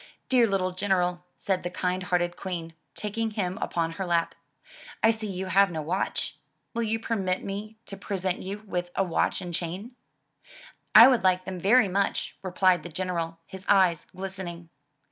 ''Dear little General/' said the kind hearted Queen, taking him upon her lap, '*I see you have no watch. Will you permit me to present you with a watch and chain?*' I would like them very much," replied the General, his eyes glistening.